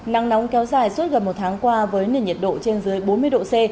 nắng nóng kéo dài suốt gần một tháng qua với nền nhiệt độ trên dưới bốn mươi độ c